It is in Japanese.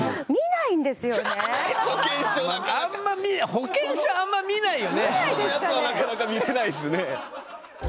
人のやつはなかなか見れないですね。